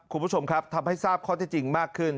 คุณผู้ชมครับทำให้ทราบข้อที่จริงมากขึ้น